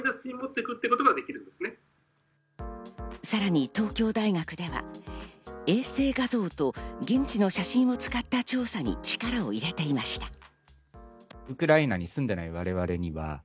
さらに東京大学では衛星画像と現地の写真を使った調査に力を入れていました。